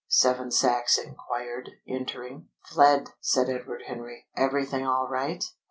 Seven Sachs enquired, entering. "Fled!" said Edward Henry. "Everything all right?"